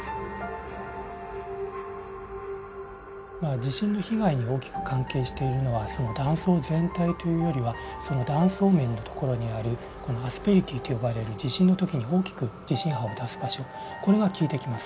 地震の被害に大きく関係しているのは断層全体というよりはその断層面の所にあるアスペリティと呼ばれる地震の時に大きく地震波を出す場所これが効いてきます。